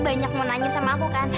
banyak mau nanya sama aku kan